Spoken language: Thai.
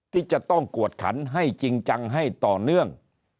ที่จะต้องกวดขันให้จริงจังให้ต่อเนื่อง